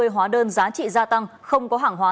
hóa đơn giá trị gia tăng không có hãng hóa